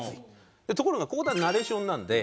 ところが講談はナレーションなんで。